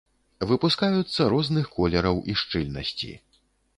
Выпускаюцца розных колераў і шчыльнасці.